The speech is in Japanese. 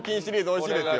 美味しいですよ。